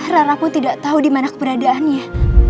rara pun tidak tahu dimana keberadaannya